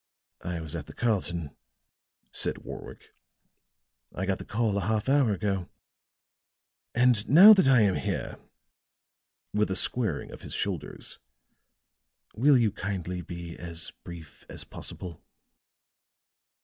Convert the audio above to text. "I was at the Carlton," said Warwick. "I got the call a half hour ago. And now that I am here," with a squaring of his shoulders, "will you kindly be as brief as possible?"